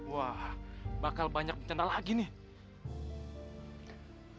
wah bakal banyak bencana lagi nih